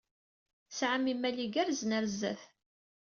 Tesɛam imal igerrzen ɣer sdat.